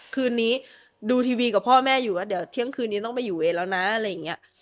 คืนนี้ดูทีวีกับพ่อแม่อยู่ว่าเดี๋ยวเที่ยงคืนนี้ต้องไปอยู่เองแล้วนะอะไรอย่างนี้